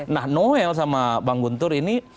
nah noel sama bang guntur ini